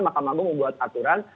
makam agung membuat aturan